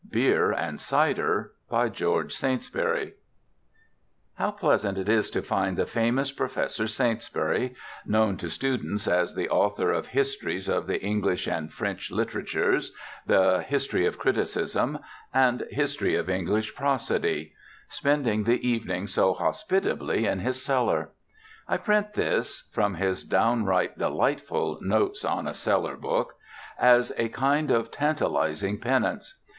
BEER AND CIDER By GEORGE SAINTSBURY How pleasant it is to find the famous Professor Saintsbury known to students as the author of histories of the English and French literatures, the History of Criticism and History of English Prosody spending the evening so hospitably in his cellar. I print this from his downright delightful Notes on a Cellar Book as a kind of tantalizing penance.